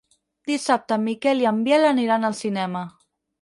Dissabte en Miquel i en Biel aniran al cinema.